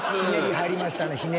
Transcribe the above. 入りましたね